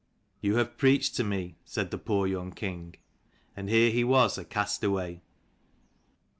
" You have preached to me," said the poor young king : and here he was, a castaway.